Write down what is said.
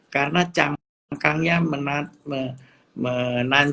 karena cangkangnya menancep didalamnya